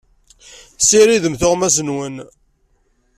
Ssiridem tuɣmas-nwen.